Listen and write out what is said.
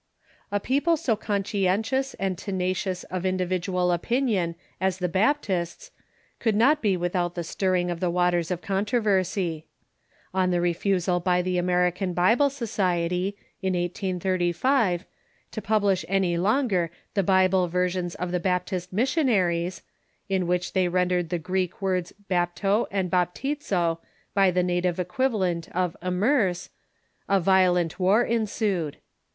A people so conscientious and tenacious of individual opin ion as the Ba{)tists could not be without the stirring of the „.. waters of controversy. On the refusal by the Controversies ..^..., c^ •■ i i / American ruble oociety, in 1835, to publish any longer the Bible versions of the Baptist missionaries, in which they rendered the Greek words bapto and haptizo by the native equivalent of "immerse," a violent war ensued.